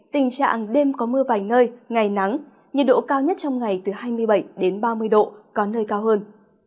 tình trạng đêm có mưa vài nơi ngày nắng nhiệt độ cao nhất trong ngày từ hai mươi bảy ba mươi độ có nơi cao hơn